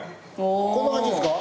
こんな感じですか？